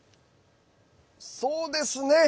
そうですね！